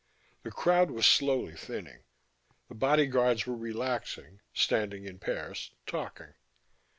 The crowd was slowly thinning. The bodyguards were relaxing, standing in pairs, talking.